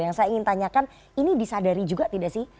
yang saya ingin tanyakan ini disadari juga tidak sih